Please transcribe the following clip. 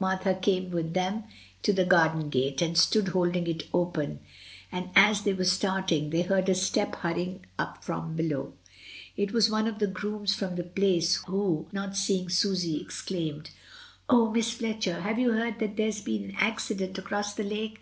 Martha came with them to the garden gate, and stood holding it open, and as they were starting, they heard a step hurrying up from below. It was one of the grooms from the Place, who, not seeing Susy, exclaimed — "Oh! Miss Fletcher, have you heard that there's been a' accident across the lake?